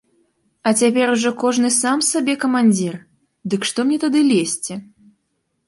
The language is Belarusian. А цяпер ужо кожны сам сабе камандзір, дык што мне тады лезці.